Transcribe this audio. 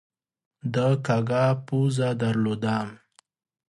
ده کږه پزه درلوده.